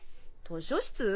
図書室？